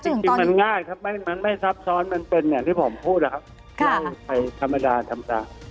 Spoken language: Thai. จริงจริงมันง่ายมันไม่ซับซ้อนมันเป็นเนี้ยที่ผมพูดนะครับค่ะใช้ธรรมดาทำตา